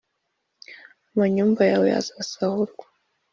amanyumba yawe azasahurwa.”